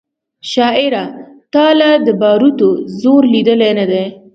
شاعره تا لا د باروتو زور لیدلی نه دی